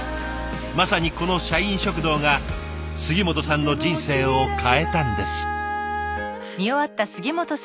まさにこの社員食堂が杉本さんの人生を変えたんです。